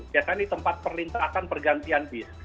biasanya di tempat perlintasan pergantian bis